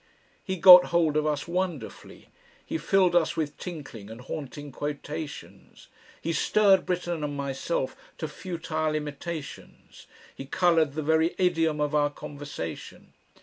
He got hold of us wonderfully, he filled us with tinkling and haunting quotations, he stirred Britten and myself to futile imitations, he coloured the very idiom of our conversation.